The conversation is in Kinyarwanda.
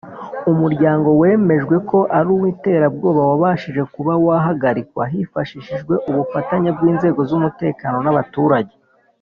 umuryango wemejwe ko ari uw iterabwoba wabashije kuba wahagarikwa hifashishijwe ubufanye bw’inzego zumutekano n’abaturage.